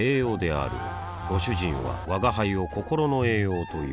あぁご主人は吾輩を心の栄養という